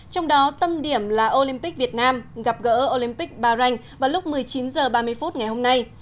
trong đó tâm điểm là olympic việt nam gặp gỡ olympic bahrain vào lúc một mươi chín h ba mươi phút ngày hôm nay